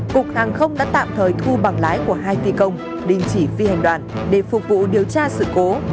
cục hàng không đã tạm thời thu bằng lái của hai phi công đình chỉ phi hành đoàn để phục vụ điều tra sự cố